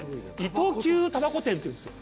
糸久たばこ店っていうんですよ。